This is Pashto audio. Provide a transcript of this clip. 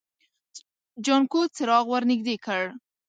جانکو څراغ ور نږدې کړ.